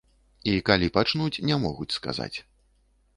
І калі пачнуць, не могуць сказаць.